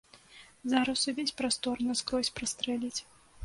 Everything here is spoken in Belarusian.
Зараз увесь прастор наскрозь прастрэліць.